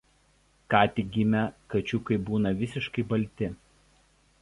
Ką tik gimę kačiukai būna visiškai balti.